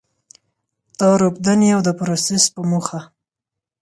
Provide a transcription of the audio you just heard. تار اوبدنې او د پروسس په موخه.